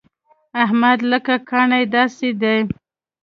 احمد لکه کاڼی داسې دی.